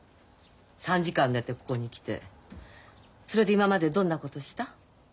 ３時間寝てここに来てそれで今までどんなことした？